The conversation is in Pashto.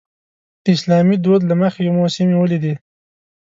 د اسلامي دود له مخې مو سیمې ولیدې.